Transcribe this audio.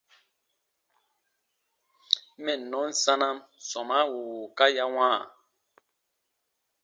Mɛnnɔn sanam sɔmaa wùu wùuka ya wãa.